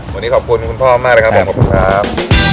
วันนี้ขอบคุณคุณพ่อมากนะครับผมขอบคุณครับ